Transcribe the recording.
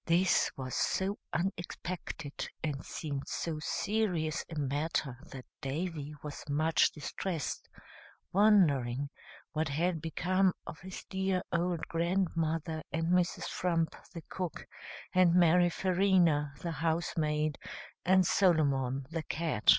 "] This was so unexpected, and seemed so serious a matter, that Davy was much distressed, wondering what had become of his dear old grandmother, and Mrs. Frump, the cook, and Mary Farina, the housemaid, and Solomon, the cat.